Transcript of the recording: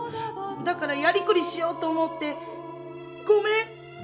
だから、やりくりしようと思って、ごめん。